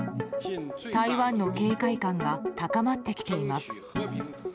台湾の警戒感が高まってきています。